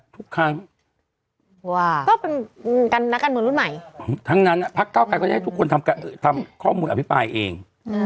ทุกครั้งก็เป็นนักการเมืองรุ่นใหม่ทั้งนั้นพักเก้าไกรก็จะให้ทุกคนทำข้อมูลอภิปรายเอง